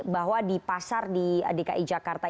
bahwa di pasar di dki jakarta